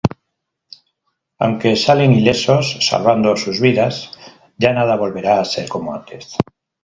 Aunque salen ilesos salvando sus vidas, ya nada volverá a ser como antes.